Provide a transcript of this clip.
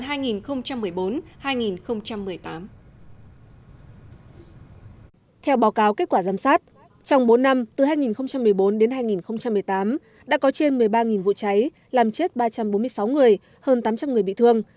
theo báo cáo kết quả giám sát trong bốn năm từ hai nghìn một mươi bốn đến hai nghìn một mươi tám đã có trên một mươi ba vụ cháy làm chết ba trăm bốn mươi sáu người hơn tám trăm linh người bị thương